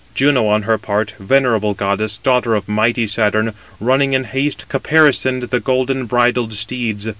Juno, on her part, venerable goddess, daughter of mighty Saturn, running in haste, caparisoned the golden bridled steeds.